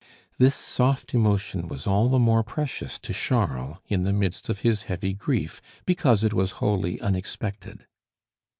This soft emotion was all the more precious to Charles in the midst of his heavy grief because it was wholly unexpected.